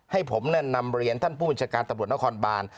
ให้ผมแนะนำเรียนท่านผู้บริจการตบปรุดนครบาล